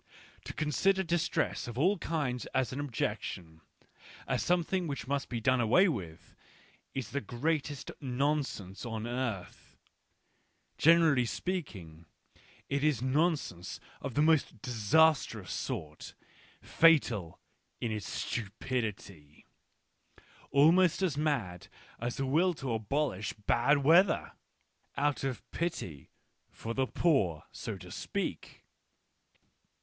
To consider distress of all kinds as an objection, as something which must be done away with, is the greatest non sense on earth ; generally speaking, it is nonsense of the most disastrous sort, fatal in its stupidity — almost as mad as the will to abolish bad weather, out of pity for the poor, so to speak.